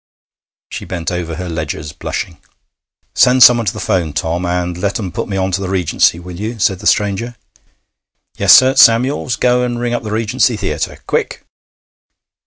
She bent over her ledgers, blushing. 'Send someone to the 'phone, Tom, and let 'em put me on to the Regency, will you?' said the stranger. 'Yes, sir. Samuels, go and ring up the Regency Theatre quick!'